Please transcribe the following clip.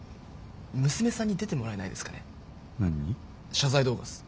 謝罪動画っす。